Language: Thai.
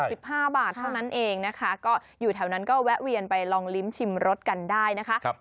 เท่านั้นเองนะคะก็อยู่แถวนั้นก็แวะเวียนไปลองลิ้มชิมรสกันได้นะคะ